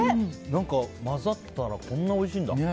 混ざったらこんなおいしいんだ。